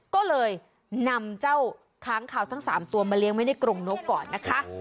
ก็เลยนำเจ้าค้างคาวทั้ง๓ตัวมาเลี้ยงไว้ในกรงนกก่อนนะคะ